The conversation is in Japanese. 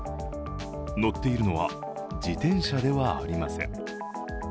乗っているのは自転車ではありません。